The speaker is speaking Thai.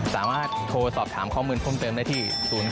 สามารถโทรสอบถามข้อมูลเพิ่มเติมได้ที่๐๑